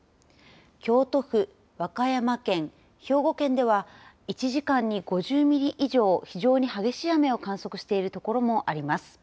京都府、和歌山県、兵庫県では１時間に５０ミリ以上、非常に激しい雨を観測しているところもあります。